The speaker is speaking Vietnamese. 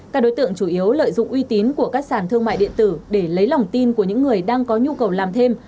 các đối tượng chủ yếu lợi dụng uy tín của các sản thương mại điện tử để lấy lòng tin của những người đang có nhu cầu làm thêm